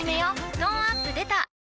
トーンアップ出た